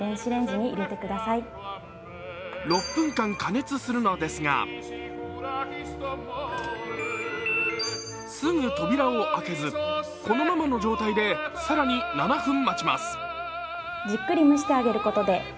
６分間加熱するのですがすぐ扉を開けず、このままの状態で更に７分待ちます。